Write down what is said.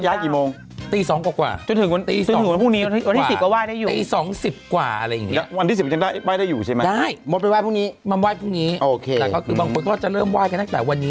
แล้วแต่ว่าใครจะกระว่าหมอรักไว้ดรรักหนึ่งชั้นเตรียมพิมพ์ให้